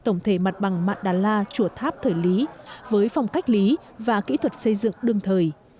tổng thể mặt bằng mạng đà la chùa tháp thời lý với phòng cách lý và kỹ thuật xây dựng đương thời